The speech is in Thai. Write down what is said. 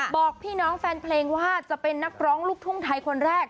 บอกพี่น้องแฟนเพลงว่าจะเป็นนักร้องลูกทุ่งไทยคนแรก